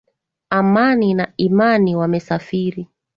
Amani na imani wamesafiri